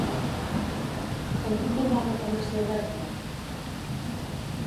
On puc trobar una farmàcia oberta?